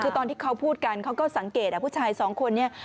คือตอนที่เขาพูดกันเขาก็สังเกตผู้ชายสองคนนี้